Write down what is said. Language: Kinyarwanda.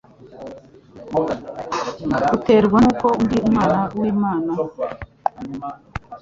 mbuterwa n’uko ndi Umwana w’Imana